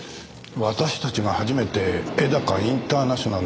私たちが初めて絵高インターナショナルを訪ねた時でした。